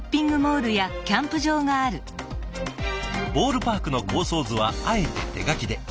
ボールパークの構想図はあえて手書きで。